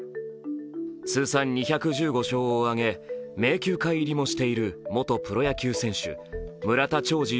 通算２１５勝を挙げ、名球会入りもしている元プロ野球選手、村田兆治